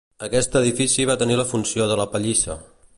Aquest edifici va tenir la funció de la pallissa.